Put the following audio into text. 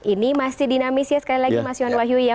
ini masih dinamis ya sekali lagi mas yohan wahyu ya